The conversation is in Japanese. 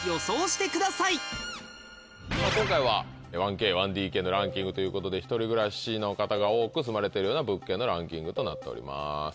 今回は１Ｋ１ＤＫのランキングということで１人暮らしの方が多く住まれてるような物件のランキングとなっております。